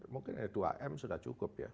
mungkin e dua m sudah cukup ya